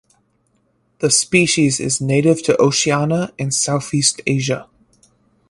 The species is native to Oceania and Southeast Asia.